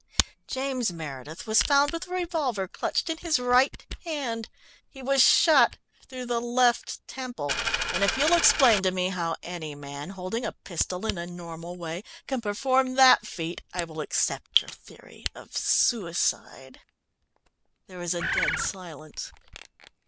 James Meredith was found with a revolver clutched in his right hand. He was shot through the left temple, and if you'll explain to me how any man, holding a pistol in a normal way, can perform that feat, I will accept your theory of suicide." There was a dead silence.